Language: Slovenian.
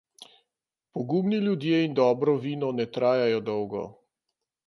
Pogumni ljudje in dobro vino ne trajajo dolgo.